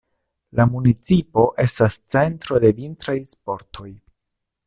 La municipo estas centro de vintraj sportoj.